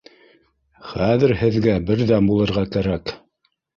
— Хәҙер һеҙгә берҙәм булырға кәрәк.